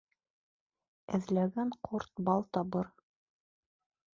Эҙләгән ҡорт бал табыр